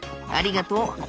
ありがとう。